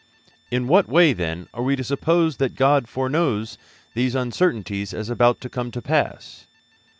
In what way, then, are we to suppose that God foreknows these uncertainties as about to come to pass?